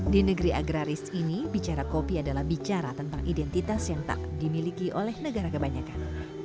di negeri agraris ini bicara kopi adalah bicara tentang identitas yang tak dimiliki oleh negara kebanyakan